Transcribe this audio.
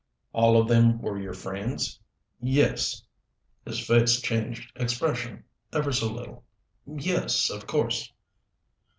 "All of them were your friends?" "Yes." His face changed expression, ever so little. "Yes, of course."